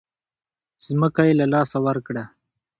ځمکه یې له لاسه ورکړه.